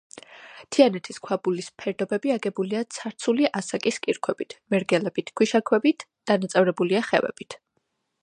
თიანეთის ქვაბულის ფერდობები აგებულია ცარცული ასაკის კირქვებით, მერგელებით, ქვიშაქვებით, დანაწევრებულია ხევებით.